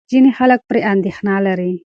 ځینې خلک پرې اندېښنه لري.